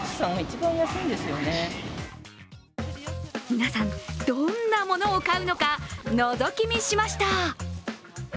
皆さん、どんなものを買うのか、のぞき見しました。